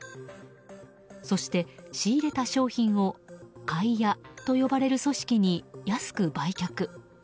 そして仕入れた商品を買い屋と呼ばれる組織に安く売却。